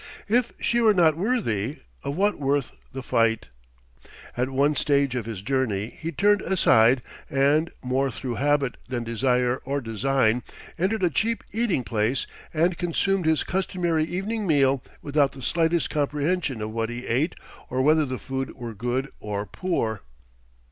If she were not worthy, of what worth the fight?... At one stage of his journey, he turned aside and, more through habit than desire or design, entered a cheap eating place and consumed his customary evening meal without the slightest comprehension of what he ate or whether the food were good or poor.